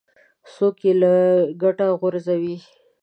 څوک یې له کټه غورځوي.